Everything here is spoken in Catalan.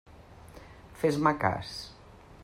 Fes-me cas.